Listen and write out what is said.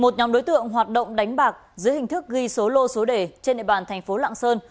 một nhóm đối tượng hoạt động đánh bạc dưới hình thức ghi số lô số đề trên địa bàn thành phố lạng sơn